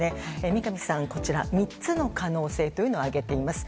三上さん３つの可能性を挙げています。